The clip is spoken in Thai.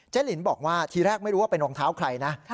ลินบอกว่าทีแรกไม่รู้ว่าเป็นรองเท้าใครนะ